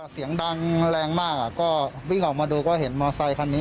เสียงดังแรงมากก็วิ่งออกมาดูก็เห็นมอเซคันนี้